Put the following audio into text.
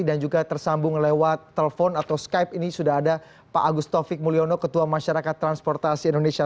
dan juga tersambung lewat telpon atau skype ini sudah ada pak agustovic mulyono ketua masyarakat transportasi indonesia